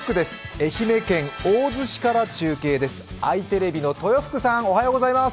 愛媛県大洲市から中継です。